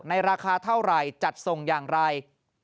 ราคาเท่าไหร่จัดส่งอย่างไร